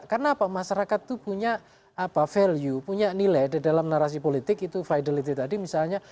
karena apa masyarakat itu punya value punya nilai di dalam narasi politik itu fidelity tadi misalnya